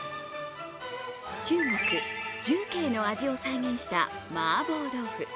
中国・重慶の味を再現したマーボー豆腐。